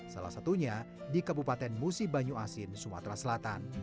salah satunya di kabupaten musi banyu asin sumatera selatan